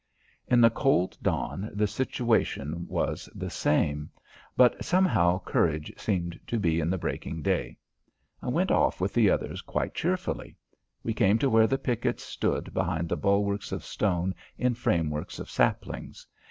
In the cold dawn the situation was the same, but somehow courage seemed to be in the breaking day. I went off with the others quite cheerfully. We came to where the pickets stood behind bulwarks of stone in frameworks of saplings.